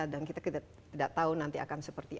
dan kita tidak tahu nanti akan seperti